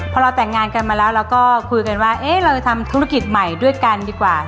พอเราแต่งงานกันมาแล้วเราก็คุยกันว่าเอ๊ะเราจะทำธุรกิจใหม่ด้วยกันดีกว่า